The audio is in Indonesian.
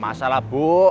oh gak masalah bu